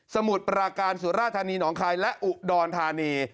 มุดปราการสุราธานีหนองคายและอุดรธานี